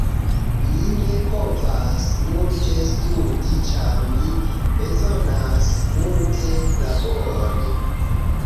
Mi ne povas multe studi ĉar mi bezonas multe labori.